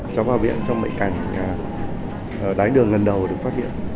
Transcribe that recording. cháu vào viện trong bệnh cảnh ở đáy đường lần đầu thì được phát hiện